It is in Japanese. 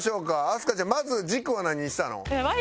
明日香ちゃんまず軸は何にしたの？